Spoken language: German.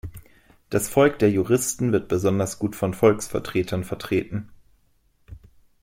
Das Volk der Juristen wird besonders gut von Volksvertretern vertreten.